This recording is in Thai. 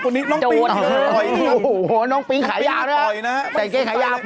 เพราะน้องปิ๊งต่อยนะครับ